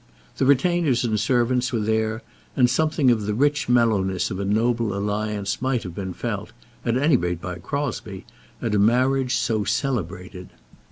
The retainers and servants were there, and something of the rich mellowness of a noble alliance might have been felt, at any rate by Crosbie, at a marriage so celebrated.